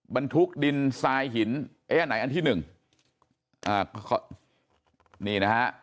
บรรทุกดินทรายหินเอ๊ะอันไหนอันที่หนึ่งอ่านี่นะฮะ